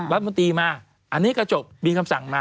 รัฐมนตรีมาอันนี้ก็จบมีคำสั่งมา